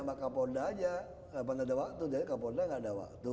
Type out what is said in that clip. nggak ada waktu jadi kapolda nggak ada waktu